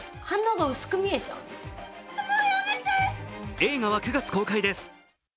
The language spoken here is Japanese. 映画は９月公開です。